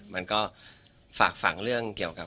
มันก็ฝากฝังเรื่องเกี่ยวกับ